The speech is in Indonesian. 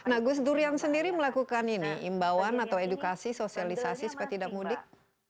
nah gus durian sendiri melakukan ini imbauan atau edukasi sosialisasi supaya tidak mudik